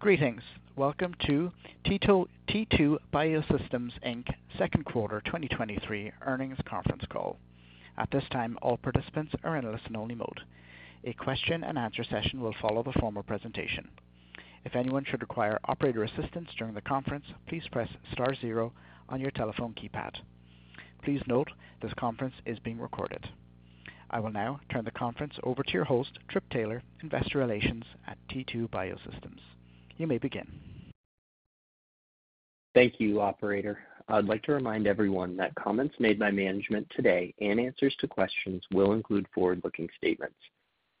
Greetings! Welcome to T2 Biosystems Inc.'s second quarter 2023 earnings conference call. At this time, all participants are in a listen-only mode. A question-and-answer session will follow the formal presentation. If anyone should require operator assistance during the conference, please press star zero on your telephone keypad. Please note, this conference is being recorded. I will now turn the conference over to your host, Trip Taylor, Investor Relations at T2 Biosystems. You may begin. Thank you, operator. I'd like to remind everyone that comments made by management today and answers to questions will include forward-looking statements.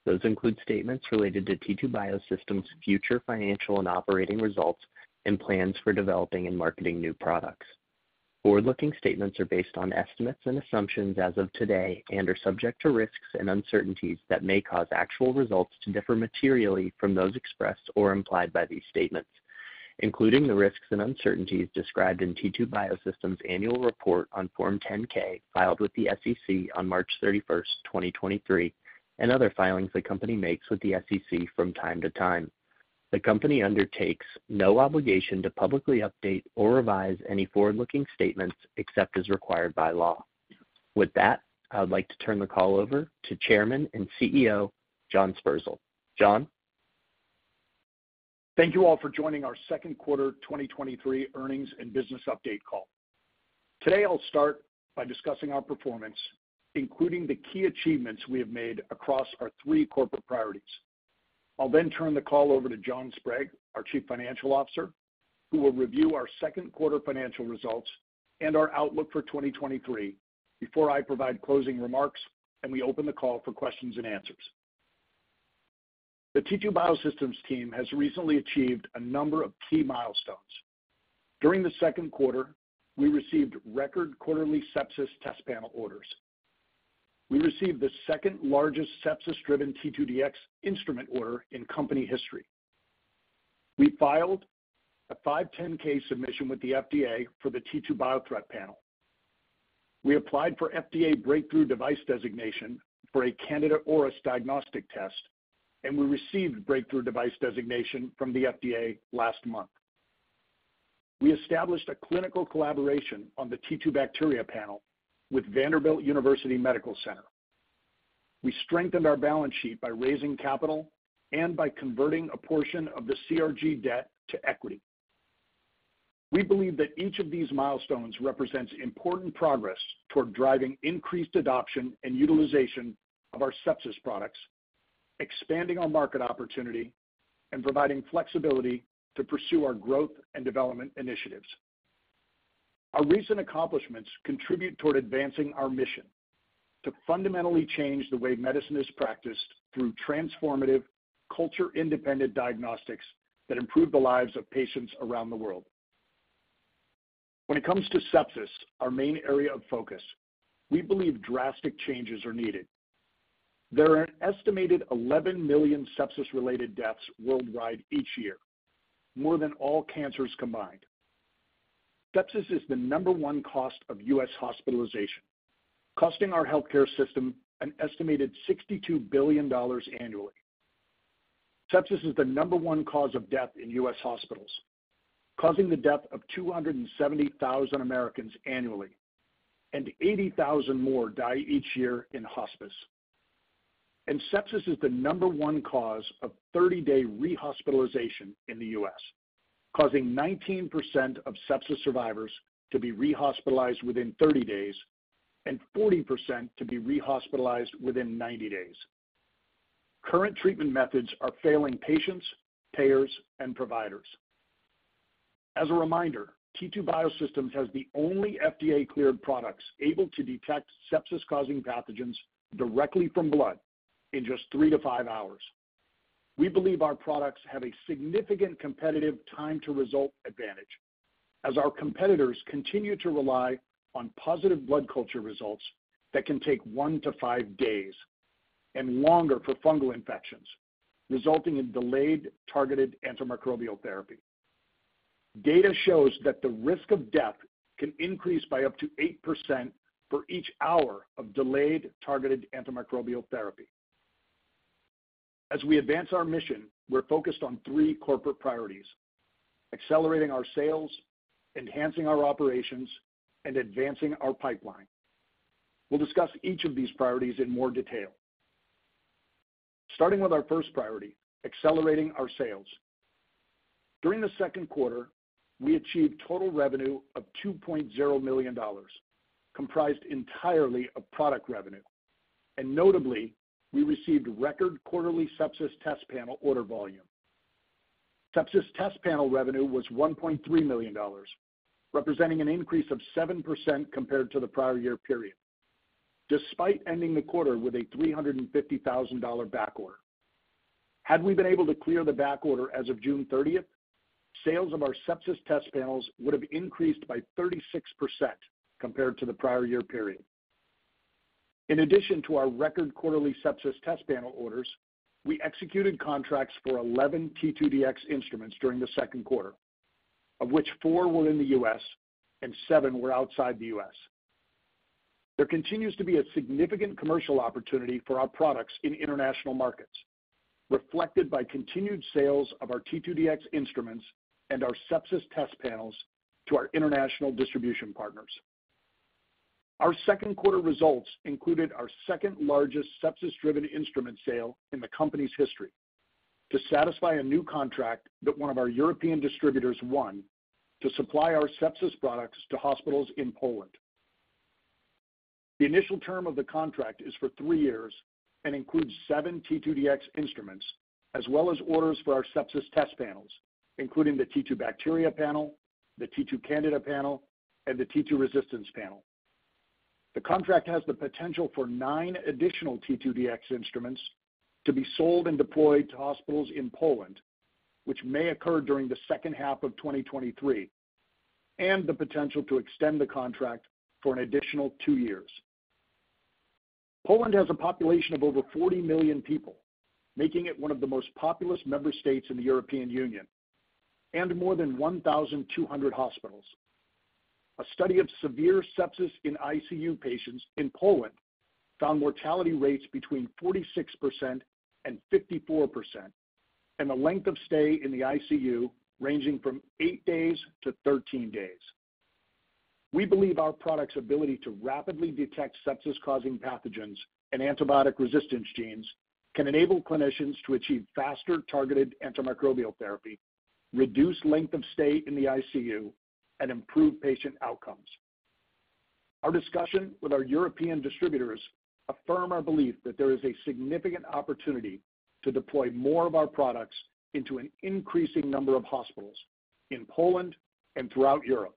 Those include statements related to T2 Biosystems' future financial and operating results and plans for developing and marketing new products. Forward-looking statements are based on estimates and assumptions as of today and are subject to risks and uncertainties that may cause actual results to differ materially from those expressed or implied by these statements, including the risks and uncertainties described in T2 Biosystems' annual report on Form 10-K, filed with the SEC on March 31st, 2023, and other filings the company makes with the SEC from time to time. The company undertakes no obligation to publicly update or revise any forward-looking statements except as required by law. With that, I would like to turn the call over to Chairman and CEO, John Sperzel. John? Thank you all for joining our second quarter 2023 earnings and business update call. Today, I'll start by discussing our performance, including the key achievements we have made across our three corporate priorities. I'll then turn the call over to John Sprague, our Chief Financial Officer, who will review our second quarter financial results and our outlook for 2023, before I provide closing remarks and we open the call for questions and answers. The T2 Biosystems team has recently achieved a number of key milestones. During the second quarter, we received record quarterly sepsis test panel orders. We received the second-largest sepsis-driven T2Dx Instrument order in company history. We filed a 510(k) submission with the FDA for the T2Biothreat Panel. We applied for FDA Breakthrough Device Designation for a Candida auris diagnostic test, and we received Breakthrough Device Designation from the FDA last month. We established a clinical collaboration on the T2Bacteria Panel with Vanderbilt University Medical Center. We strengthened our balance sheet by raising capital and by converting a portion of the CRG debt to equity. We believe that each of these milestones represents important progress toward driving increased adoption and utilization of our sepsis products, expanding our market opportunity, and providing flexibility to pursue our growth and development initiatives. Our recent accomplishments contribute toward advancing our mission: to fundamentally change the way medicine is practiced through transformative, culture-independent diagnostics that improve the lives of patients around the world. When it comes to sepsis, our main area of focus, we believe drastic changes are needed. There are an estimated 11 million sepsis-related deaths worldwide each year, more than all cancers combined. Sepsis is the number one cost of U.S. hospitalization, costing our healthcare system an estimated $62 billion annually. Sepsis is the number one cause of death in U.S. hospitals, causing the death of 270,000 Americans annually, 80,000 more die each year in hospice. Sepsis is the number one cause of 30-day rehospitalization in the U.S., causing 19% of sepsis survivors to be rehospitalized within 30 days and 40% to be rehospitalized within 90 days. Current treatment methods are failing patients, payers, and providers. As a reminder, T2 Biosystems has the only FDA-cleared products able to detect sepsis-causing pathogens directly from blood in just three-five hours. We believe our products have a significant competitive time-to-result advantage, as our competitors continue to rely on positive blood culture results that can take one-five days, and longer for fungal infections, resulting in delayed targeted antimicrobial therapy. Data shows that the risk of death can increase by up to 8% for each hour of delayed targeted antimicrobial therapy. As we advance our mission, we're focused on three corporate priorities: accelerating our sales, enhancing our operations, and advancing our pipeline. We'll discuss each of these priorities in more detail. Starting with our first priority, accelerating our sales. During the second quarter, we achieved total revenue of $2.0 million, comprised entirely of product revenue. Notably, we received record quarterly sepsis test panel order volume. Sepsis test panel revenue was $1.3 million, representing an increase of 7% compared to the prior year period, despite ending the quarter with a $350,000 backorder. Had we been able to clear the backorder as of June 30th, sales of our sepsis test panels would have increased by 36% compared to the prior year period. In addition to our record quarterly sepsis test panel orders, we executed contracts for 11 T2Dx Instruments during the second quarter, of which four were in the U.S. and seven were outside the U.S. There continues to be a significant commercial opportunity for our products in international markets, reflected by continued sales of our T2Dx Instruments and our sepsis test panels to our international distribution partners. Our second quarter results included our second largest sepsis-driven instrument sale in the company's history, to satisfy a new contract that one of our European distributors won to supply our sepsis products to hospitals in Poland. The initial term of the contract is for three years and includes seven T2Dx Instruments, as well as orders for our sepsis test panels, including the T2Bacteria Panel, the T2Candida Panel, and the T2Resistance Panel. The contract has the potential for nine additional T2Dx Instruments to be sold and deployed to hospitals in Poland, which may occur during the second half of 2023, and the potential to extend the contract for an additional two years. Poland has a population of over 40 million people, making it one of the most populous member states in the European Union, and more than 1,200 hospitals. A study of severe sepsis in ICU patients in Poland found mortality rates between 46% and 54%, and a length of stay in the ICU ranging from eight days to 13 days. We believe our product's ability to rapidly detect sepsis-causing pathogens and antibiotic resistance genes can enable clinicians to achieve faster, targeted antimicrobial therapy, reduce length of stay in the ICU, and improve patient outcomes. Our discussion with our European distributors affirm our belief that there is a significant opportunity to deploy more of our products into an increasing number of hospitals in Poland and throughout Europe.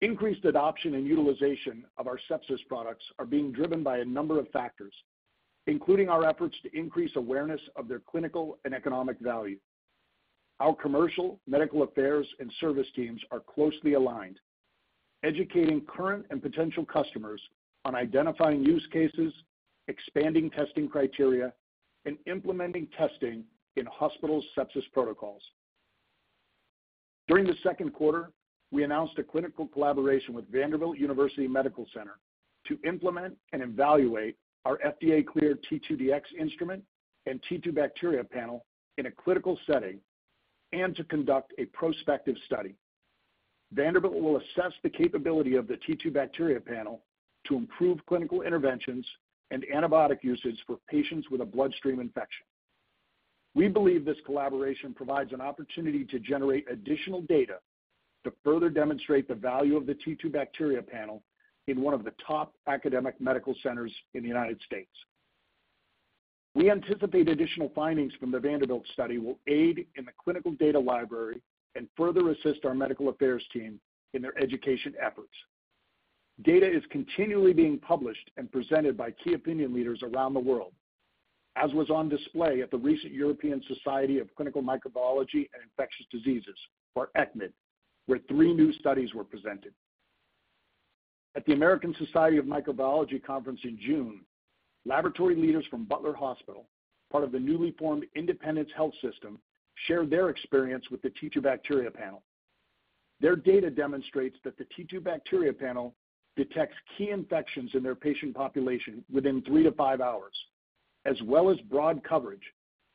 Increased adoption and utilization of our sepsis products are being driven by a number of factors, including our efforts to increase awareness of their clinical and economic value. Our commercial, medical affairs, and service teams are closely aligned, educating current and potential customers on identifying use cases, expanding testing criteria, and implementing testing in hospital sepsis protocols. During the second quarter, we announced a clinical collaboration with Vanderbilt University Medical Center to implement and evaluate our FDA-cleared T2Dx Instrument and T2Bacteria Panel in a clinical setting and to conduct a prospective study. Vanderbilt will assess the capability of the T2Bacteria Panel to improve clinical interventions and antibiotic usage for patients with a bloodstream infection. We believe this collaboration provides an opportunity to generate additional data to further demonstrate the value of the T2Bacteria Panel in one of the top academic medical centers in the United States. We anticipate additional findings from the Vanderbilt study will aid in the clinical data library and further assist our medical affairs team in their education efforts. Data is continually being published and presented by key opinion leaders around the world, as was on display at the recent European Society of Clinical Microbiology and Infectious Diseases, or ECCMID, where three new studies were presented. At the American Society for Microbiology conference in June, laboratory leaders from Butler Memorial Hospital, part of the newly formed Independence Health System, shared their experience with the T2Bacteria Panel. Their data demonstrates that the T2Bacteria Panel detects key infections in their patient population within three-five hours, as well as broad coverage,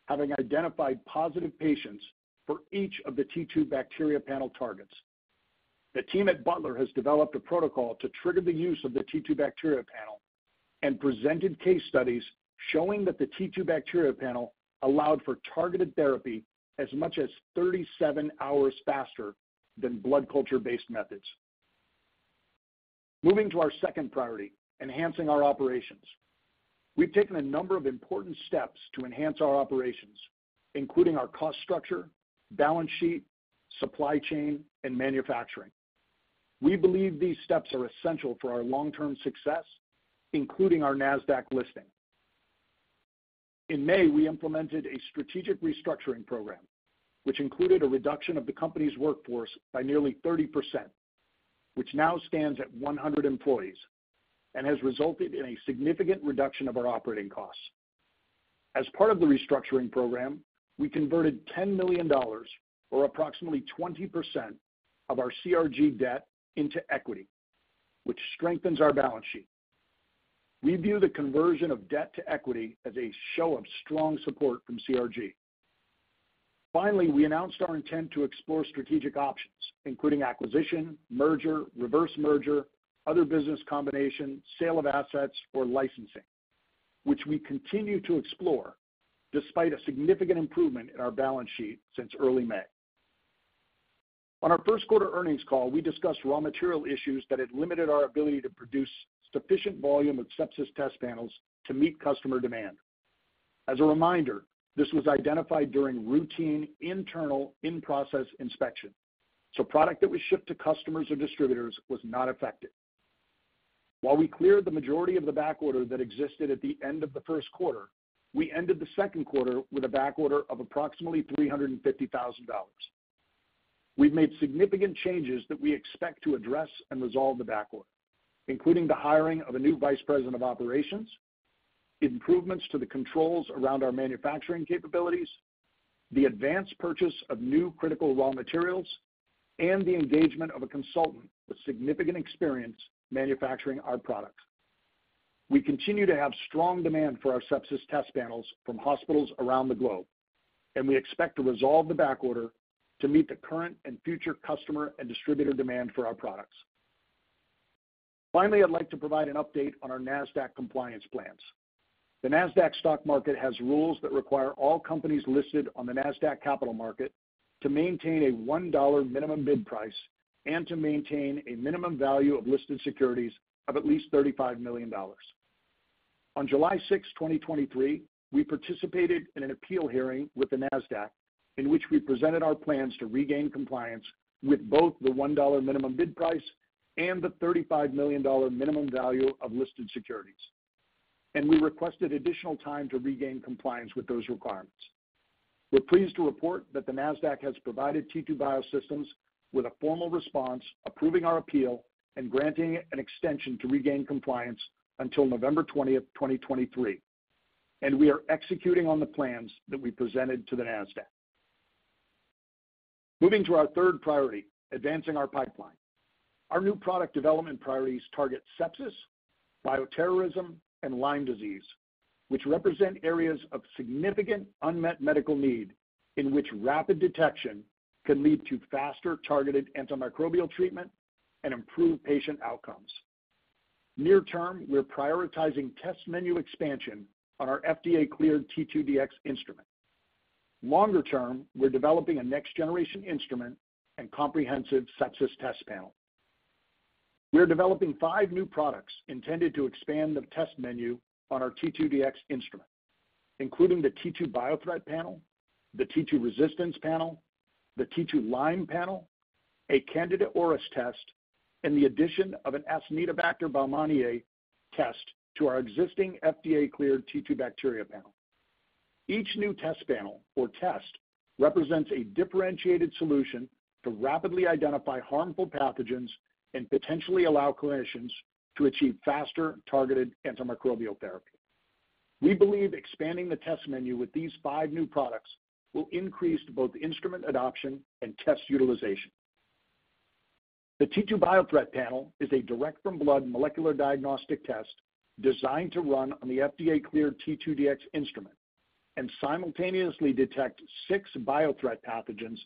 having identified positive patients for each of the T2Bacteria Panel targets. The team at Butler has developed a protocol to trigger the use of the T2Bacteria Panel and presented case studies showing that the T2Bacteria Panel allowed for targeted therapy as much as 37 hours faster than blood culture-based methods. Moving to our second priority, enhancing our operations. We've taken a number of important steps to enhance our operations, including our cost structure, balance sheet, supply chain, and manufacturing. We believe these steps are essential for our long-term success, including our Nasdaq listing. In May, we implemented a strategic restructuring program, which included a reduction of the company's workforce by nearly 30%, which now stands at 100 employees and has resulted in a significant reduction of our operating costs. As part of the restructuring program, we converted $10 million, or approximately 20% of our CRG debt, into equity, which strengthens our balance sheet. We view the conversion of debt to equity as a show of strong support from CRG. Finally, we announced our intent to explore strategic options, including acquisition, merger, reverse merger, other business combinations, sale of assets, or licensing, which we continue to explore despite a significant improvement in our balance sheet since early May. On our first quarter earnings call, we discussed raw material issues that had limited our ability to produce sufficient volume of sepsis test panels to meet customer demand. As a reminder, this was identified during routine, internal in-process inspection. Product that was shipped to customers or distributors was not affected. While we cleared the majority of the backorder that existed at the end of the first quarter, we ended the second quarter with a backorder of approximately $350,000. We've made significant changes that we expect to address and resolve the backorder, including the hiring of a new Vice President of Operations, improvements to the controls around our manufacturing capabilities, the advanced purchase of new critical raw materials, and the engagement of a consultant with significant experience manufacturing our products. We continue to have strong demand for our sepsis test panels from hospitals around the globe, and we expect to resolve the backorder to meet the current and future customer and distributor demand for our products. I'd like to provide an update on our Nasdaq compliance plans. The Nasdaq Stock Market has rules that require all companies listed on the Nasdaq Capital Market to maintain a $1 minimum bid price and to maintain a minimum value of listed securities of at least $35 million. On July 6, 2023, we participated in an appeal hearing with the Nasdaq, in which we presented our plans to regain compliance with both the $1 minimum bid price and the $35 million minimum value of listed securities. We requested additional time to regain compliance with those requirements. We're pleased to report that the Nasdaq has provided T2 Biosystems with a formal response, approving our appeal and granting an extension to regain compliance until November 20, 2023. We are executing on the plans that we presented to the Nasdaq. Moving to our third priority, advancing our pipeline. Our new product development priorities target sepsis, bioterrorism, and Lyme disease, which represent areas of significant unmet medical need, in which rapid detection can lead to faster targeted antimicrobial treatment and improved patient outcomes. Near term, we're prioritizing test menu expansion on our FDA-cleared T2Dx Instrument. Longer term, we're developing a next-generation instrument and comprehensive sepsis test panel. We are developing five new products intended to expand the test menu on our T2Dx Instrument, including the T2Biothreat Panel, the T2Resistance Panel, the T2Lyme Panel, a Candida auris test, and the addition of an Acinetobacter baumannii test to our existing FDA-cleared T2Bacteria Panel. Each new test panel or test represents a differentiated solution to rapidly identify harmful pathogens and potentially allow clinicians to achieve faster, targeted antimicrobial therapy. We believe expanding the test menu with these five new products will increase both instrument adoption and test utilization. The T2Biothreat Panel is a direct-from-blood molecular diagnostic test designed to run on the FDA-cleared T2Dx Instrument and simultaneously detect six biothreat pathogens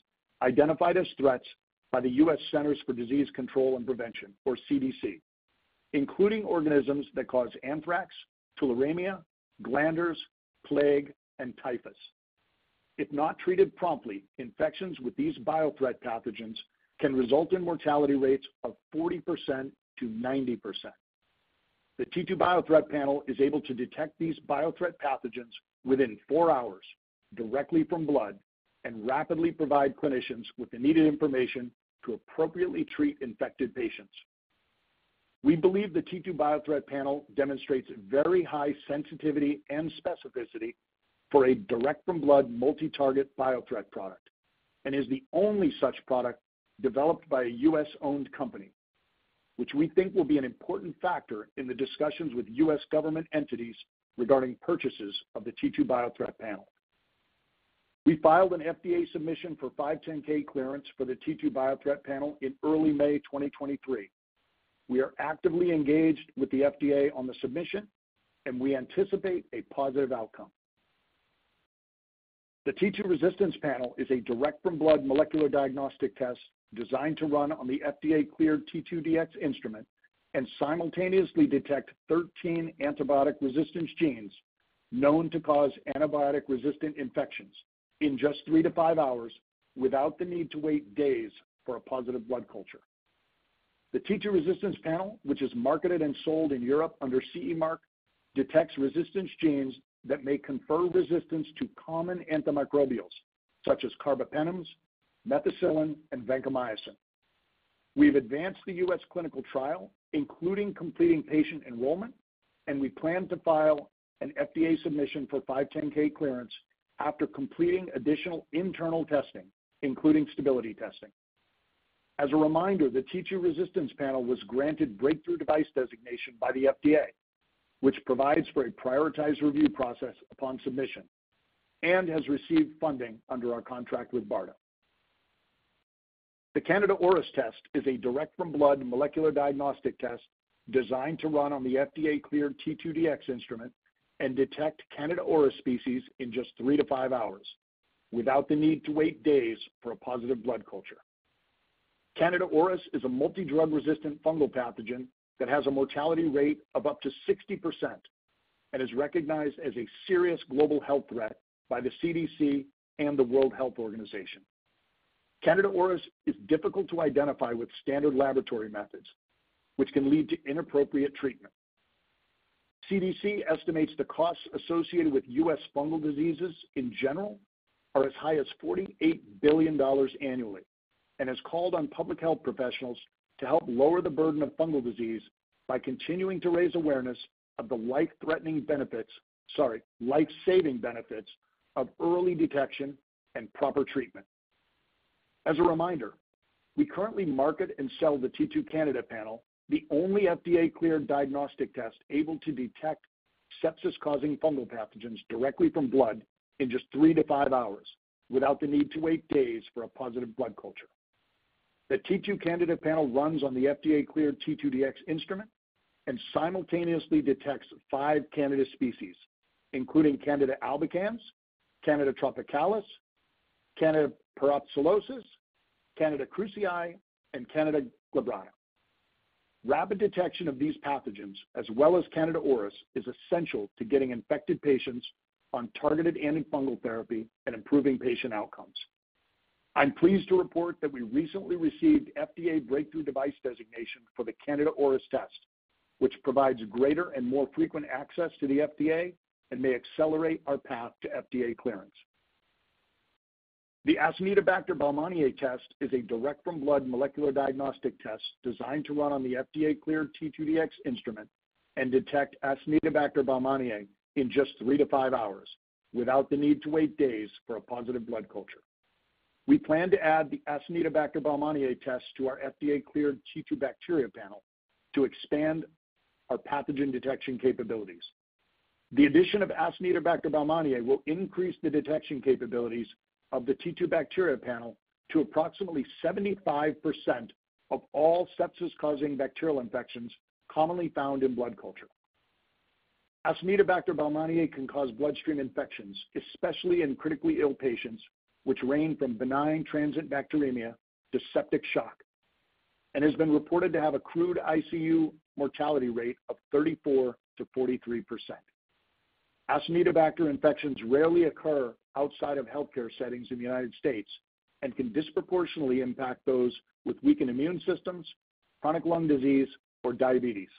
identified as threats by the U.S. Centers for Disease Control and Prevention, or CDC, including organisms that cause anthrax, tularemia, glanders, plague, and typhus. If not treated promptly, infections with these biothreat pathogens can result in mortality rates of 40%-90%. The T2Biothreat Panel is able to detect these biothreat pathogens within four hours, directly from blood, and rapidly provide clinicians with the needed information to appropriately treat infected patients. We believe the T2Biothreat Panel demonstrates very high sensitivity and specificity for a direct-from-blood, multi-target biothreat product and is the only such product developed by a U.S.-owned company, which we think will be an important factor in the discussions with U.S. government entities regarding purchases of the T2Biothreat Panel. We filed an FDA submission for 510(k) clearance for the T2Biothreat Panel in early May 2023. We are actively engaged with the FDA on the submission, and we anticipate a positive outcome. The T2Resistance Panel is a direct-from-blood molecular diagnostic test designed to run on the FDA-cleared T2Dx Instrument and simultaneously detect 13 antibiotic resistance genes known to cause antibiotic-resistant infections in just three-five hours, without the need to wait days for a positive blood culture. The T2Resistance Panel, which is marketed and sold in Europe under CE mark, detects resistance genes that may confer resistance to common antimicrobials such as carbapenems, methicillin, and vancomycin. We've advanced the U.S. clinical trial, including completing patient enrollment, and we plan to file an FDA submission for 510(k) clearance after completing additional internal testing, including stability testing. As a reminder, the T2Resistance Panel was granted Breakthrough Device Designation by the FDA, which provides for a prioritized review process upon submission and has received funding under our contract with BARDA. The Candida auris test is a direct-from-blood molecular diagnostic test designed to run on the FDA-cleared T2Dx Instrument and detect Candida auris species in just three-five hours, without the need to wait days for a positive blood culture. Candida auris is a multidrug-resistant fungal pathogen that has a mortality rate of up to 60% and is recognized as a serious global health threat by the CDC and the World Health Organization. Candida auris is difficult to identify with standard laboratory methods, which can lead to inappropriate treatment. CDC estimates the costs associated with U.S. fungal diseases in general are as high as $48 billion annually and has called on public health professionals to help lower the burden of fungal disease by continuing to raise awareness of the life-threatening benefits- sorry, life-saving benefits of early detection and proper treatment. As a reminder, we currently market and sell the T2 Candida Panel, the only FDA-cleared diagnostic test able to detect sepsis-causing fungal pathogens directly from blood in just three-five hours, without the need to wait days for a positive blood culture. The T2Candida Panel runs on the FDA-cleared T2Dx Instrument and simultaneously detects five Candida species, including Candida albicans, Candida tropicalis, Candida parapsilosis, Candida krusei, and Candida glabrata. Rapid detection of these pathogens, as well as Candida auris, is essential to getting infected patients on targeted antifungal therapy and improving patient outcomes. I'm pleased to report that we recently received FDA Breakthrough Device Designation for the Candida auris test, which provides greater and more frequent access to the FDA and may accelerate our path to FDA clearance. The Acinetobacter baumannii test is a direct-from-blood molecular diagnostic test designed to run on the FDA-cleared T2Dx Instrument and detect Acinetobacter baumannii in just three-five hours, without the need to wait days for a positive blood culture. We plan to add the Acinetobacter baumannii test to our FDA-cleared T2Bacteria Panel to expand our pathogen detection capabilities. The addition of Acinetobacter baumannii will increase the detection capabilities of the T2Bacteria Panel to approximately 75% of all sepsis-causing bacterial infections commonly found in blood culture. Acinetobacter baumannii can cause bloodstream infections, especially in critically ill patients, which range from benign transient bacteremia to septic shock, and has been reported to have a crude ICU mortality rate of 34%-43%. Acinetobacter infections rarely occur outside of healthcare settings in the United States and can disproportionately impact those with weakened immune systems, chronic lung disease, or diabetes.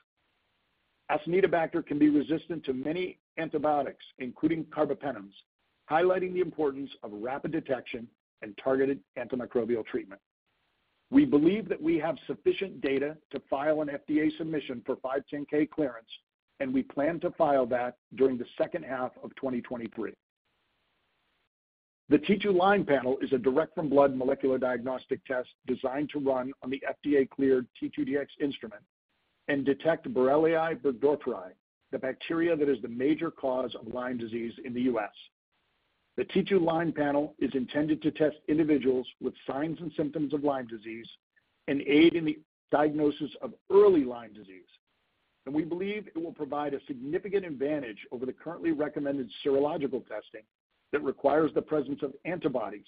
Acinetobacter can be resistant to many antibiotics, including carbapenems, highlighting the importance of rapid detection and targeted antimicrobial treatment. We believe that we have sufficient data to file an FDA submission for 510(k) clearance, and we plan to file that during the second half of 2023. The T2Lyme Panel is a direct-from-blood molecular diagnostic test designed to run on the FDA-cleared T2Dx Instrument and detect Borrelia burgdorferi, the bacteria that is the major cause of Lyme disease in the U.S. The T2Lyme Panel is intended to test individuals with signs and symptoms of Lyme disease and aid in the diagnosis of early Lyme disease. We believe it will provide a significant advantage over the currently recommended serological testing that requires the presence of antibodies,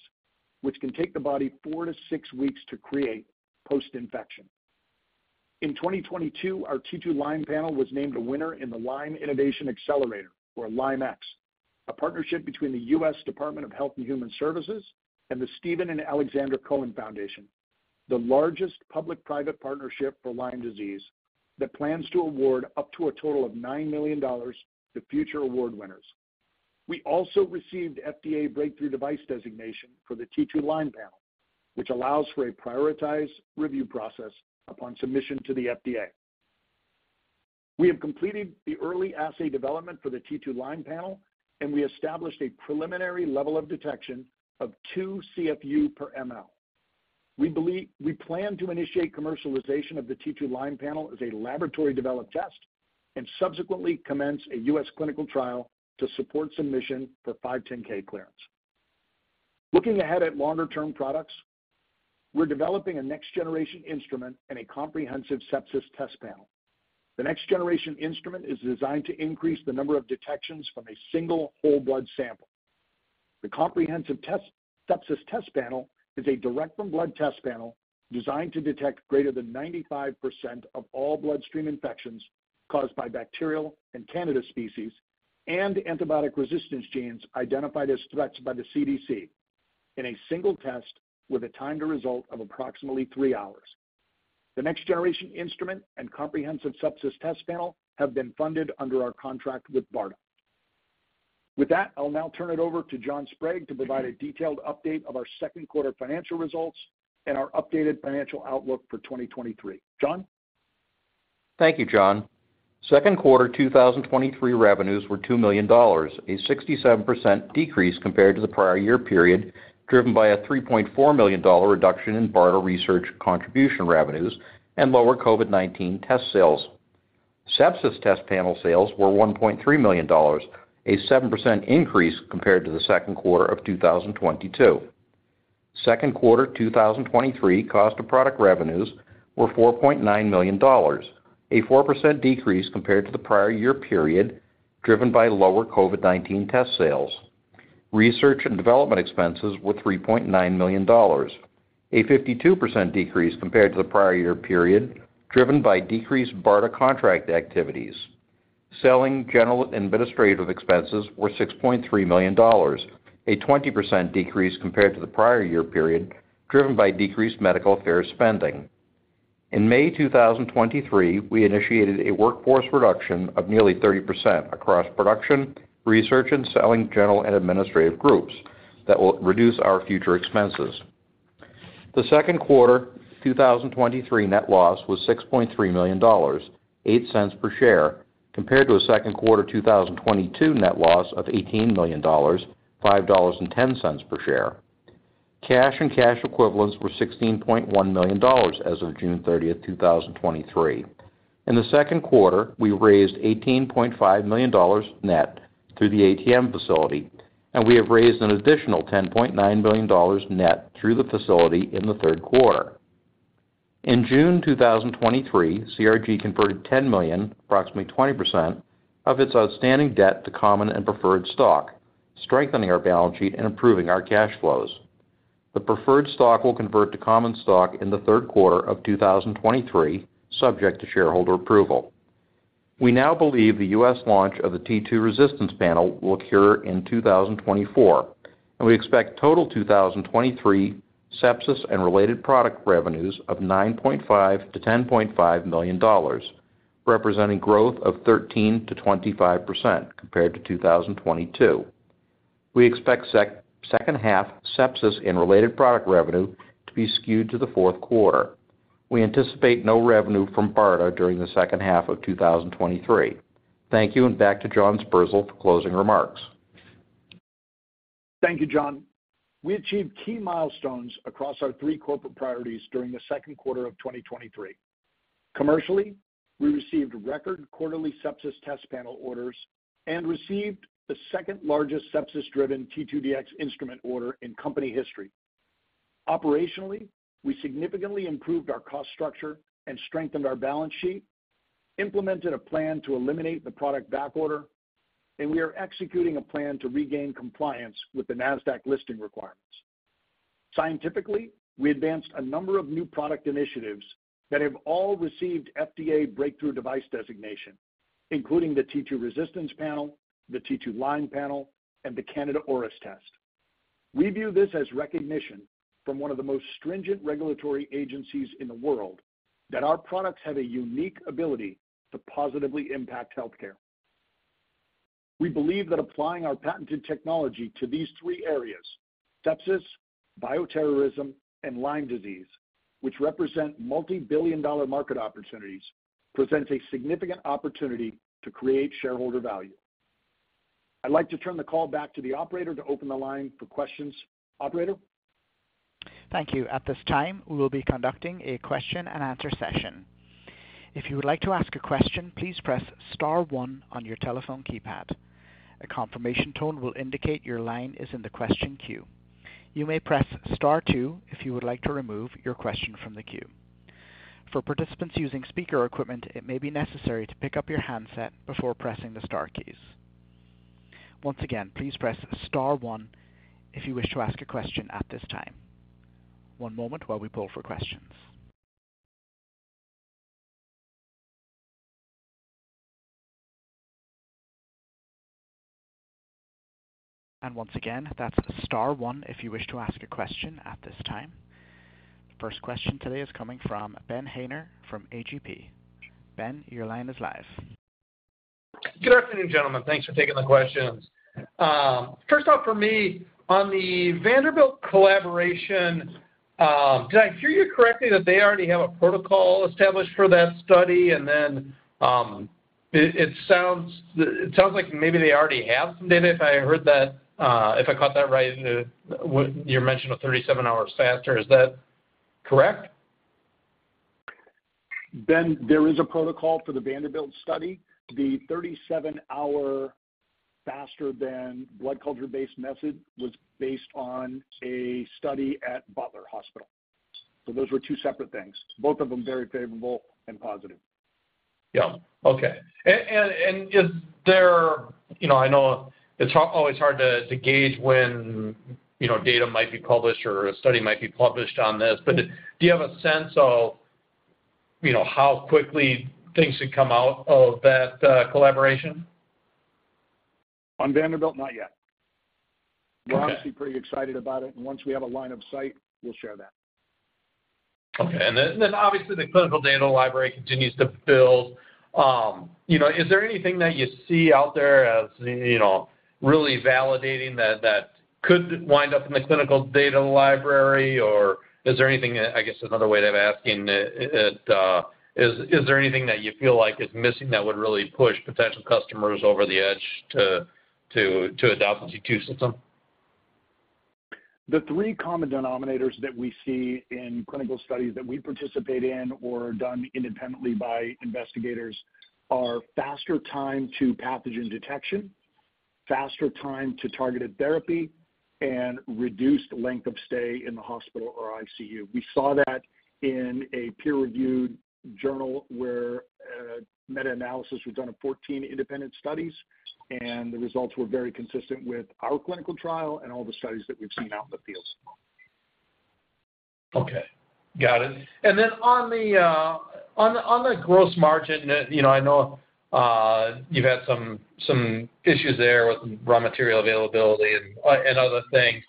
which can take the body four to six weeks to create post-infection. In 2022, our T2Lyme Panel was named a winner in the Lyme Innovation Accelerator, or LymeX, a partnership between the U.S. Department of Health and Human Services and the Steven & Alexandra Cohen Foundation, the largest public-private partnership for Lyme disease, that plans to award up to a total of $9 million to future award winners. We also received FDA Breakthrough Device Designation for the T2Lyme Panel, which allows for a prioritized review process upon submission to the FDA. We have completed the early assay development for the T2Lyme Panel, and we established a preliminary level of detection of 2 CFU/mL. We plan to initiate commercialization of the T2Lyme Panel as a laboratory-developed test and subsequently commence a U.S. clinical trial to support submission for 510(k) clearance. Looking ahead at longer-term products, we're developing a next-generation instrument and a comprehensive sepsis test panel. The next-generation instrument is designed to increase the number of detections from a single whole blood sample. The comprehensive test, sepsis test panel is a direct-from-blood test panel designed to detect greater than 95% of all bloodstream infections caused by bacterial and Candida species and antibiotic resistance genes identified as threats by the CDC in a single test with a time to result of approximately three hours. The next-generation instrument and comprehensive sepsis test panel have been funded under our contract with BARDA. With that, I'll now turn it over to John Sprague to provide a detailed update of our second quarter financial results and our updated financial outlook for 2023. John? Thank you, John. Second quarter 2023 revenues were $2 million, a 67% decrease compared to the prior year period, driven by a $3.4 million reduction in BARDA research contribution revenues and lower COVID-19 test sales. Sepsis test panel sales were $1.3 million, a 7% increase compared to the second quarter of 2022. Second quarter 2023 cost of product revenues were $4.9 million, a 4% decrease compared to the prior year period, driven by lower COVID-19 test sales. Research and development expenses were $3.9 million, a 52% decrease compared to the prior year period, driven by decreased BARDA contract activities. Selling, general, and administrative expenses were $6.3 million, a 20% decrease compared to the prior year period, driven by decreased medical affairs spending. In May 2023, we initiated a workforce reduction of nearly 30% across production, research, and selling, general, and administrative groups that will reduce our future expenses. The second quarter 2023 net loss was $6.3 million, $0.08 per share, compared to a second quarter 2022 net loss of $18 million, $5.10 per share. Cash and cash equivalents were $16.1 million as of June 30th, 2023. In the second quarter, we raised $18.5 million net through the ATM facility. We have raised an additional $10.9 million net through the facility in the third quarter. In June 2023, CRG converted $10 million, approximately 20%, of its outstanding debt to common and preferred stock, strengthening our balance sheet and improving our cash flows. The preferred stock will convert to common stock in the third quarter of 2023, subject to shareholder approval. We now believe the U.S. launch of the T2Resistance Panel will occur in 2024, and we expect total 2023 sepsis and related product revenues of $9.5 million-$10.5 million, representing growth of 13%-25% compared to 2022. We expect second half sepsis and related product revenue to be skewed to the fourth quarter. We anticipate no revenue from BARDA during the second half of 2023. Thank you, and back to John Sperzel for closing remarks. Thank you, John. We achieved key milestones across our three corporate priorities during the second quarter of 2023. Commercially, we received record quarterly sepsis test panel orders and received the second-largest sepsis-driven T2Dx Instrument order in company history. Operationally, we significantly improved our cost structure and strengthened our balance sheet, implemented a plan to eliminate the product backorder, and we are executing a plan to regain compliance with the Nasdaq listing requirements. Scientifically, we advanced a number of new product initiatives that have all received FDA Breakthrough Device Designation, including the T2Resistance Panel, the T2Lyme Panel, and the Candida auris test. We view this as recognition from one of the most stringent regulatory agencies in the world that our products have a unique ability to positively impact healthcare. We believe that applying our patented technology to these three areas, sepsis, bioterrorism, and Lyme disease, which represent multibillion-dollar market opportunities, presents a significant opportunity to create shareholder value. I'd like to turn the call back to the operator to open the line for questions. Operator? Thank you. At this time, we will be conducting a question-and-answer session. If you would like to ask a question, please press star one on your telephone keypad. A confirmation tone will indicate your line is in the question queue. You may press star two if you would like to remove your question from the queue. For participants using speaker equipment, it may be necessary to pick up your handset before pressing the star keys. Once again, please press star one if you wish to ask a question at this time. One moment while we pull for questions. Once again, that's star one if you wish to ask a question at this time. First question today is coming from Ben Haynor from AGP. Ben, your line is live. Good afternoon, gentlemen. Thanks for taking the questions. First off, for me, on the Vanderbilt collaboration, did I hear you correctly, that they already have a protocol established for that study? It, it sounds, it sounds like maybe they already have some data, if I heard that, if I caught that right, when you mentioned a 37 hours faster. Is that correct? Ben, there is a protocol for the Vanderbilt study. The 37 hour faster than blood culture-based method was based on a study at Butler Hospital. Those were two separate things, both of them very favorable and positive. Yeah. Okay. Is there, you know, I know it's always hard to gauge when, you know, data might be published or a study might be published on this, but do you have a sense of, you know, how quickly things could come out of that collaboration? On Vanderbilt? Not yet. Okay. We're obviously pretty excited about it, and once we have a line of sight, we'll share that. Okay. Then obviously, the clinical data library continues to build. You know, is there anything that you see out there as, you know, really validating that, that could wind up in the clinical data library? Is there anything, I guess, another way of asking it, is there anything that you feel like is missing that would really push potential customers over the edge to adopt the T2 system? The three common denominators that we see in clinical studies that we participate in or done independently by investigators are faster time to pathogen detection, faster time to targeted therapy, and reduced length of stay in the hospital or ICU. We saw that in a peer-reviewed journal, where a meta-analysis was done on 14 independent studies, and the results were very consistent with our clinical trial and all the studies that we've seen out in the field. Okay, got it. On the, on the, on the gross margin, you know, I know, you've had some, some issues there with raw material availability and, and other things.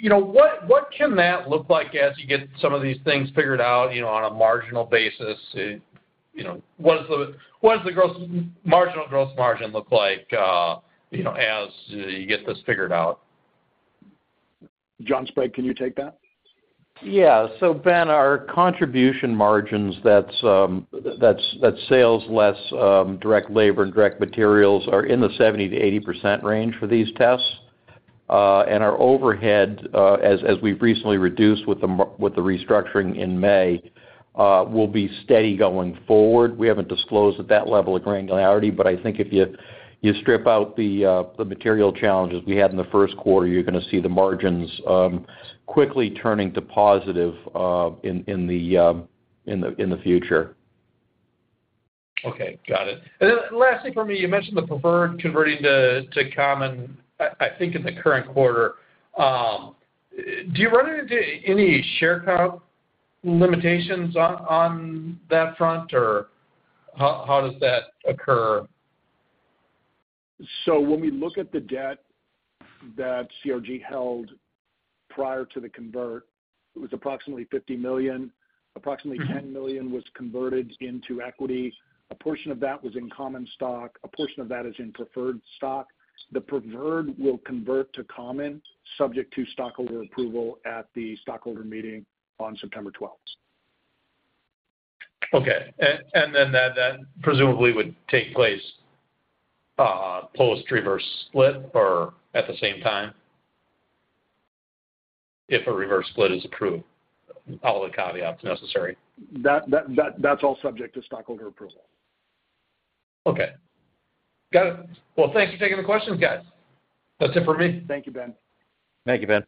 You know, what, what can that look like as you get some of these things figured out, you know, on a marginal basis? You know, what does the, what does the marginal gross margin look like, you know, as you get this figured out? John Sprague, can you take that? Ben, our contribution margins, that's, that's sales less, direct labor and direct materials, are in the 70%-80% range for these tests. and our overhead, as, as we've recently reduced with the restructuring in May, will be steady going forward. We haven't disclosed at that level of granularity, but I think if you, you strip out the, the material challenges we had in the first quarter, you're gonna see the margins, quickly turning to positive, in, in the, in the future. Okay, got it. Lastly for me, you mentioned the preferred converting to common, I think, in the current quarter. Do you run into any share count limitations on that front, or how does that occur? When we look at the debt that CRG held prior to the convert, it was approximately $50 million. Approximately $10 million was converted into equity. A portion of that was in common stock, a portion of that is in preferred stock. The preferred will convert to common, subject to stockholder approval at the stockholder meeting on September 12th. Okay. Then that, that presumably would take place post reverse split or at the same time, if a reverse split is approved, all the caveats necessary. That's all subject to stockholder approval. Okay. Got it. Well, thank you for taking the questions, guys. That's it for me. Thank you, Ben. Thank you, Ben.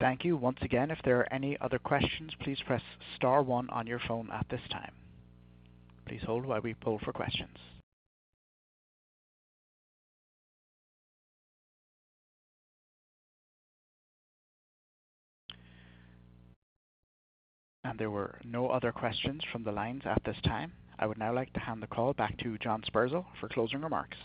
Thank you. Once again, if there are any other questions, please press star one on your phone at this time. Please hold while we poll for questions. There were no other questions from the lines at this time. I would now like to hand the call back to John Sperzel for closing remarks.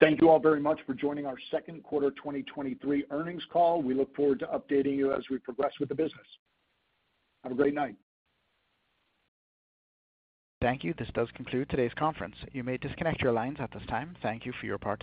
Thank you all very much for joining our second quarter 2023 earnings call. We look forward to updating you as we progress with the business. Have a great night. Thank you. This does conclude today's conference. You may disconnect your lines at this time. Thank you for your participation.